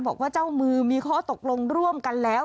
บอกว่าเจ้ามือมีข้อตกลงร่วมกันแล้ว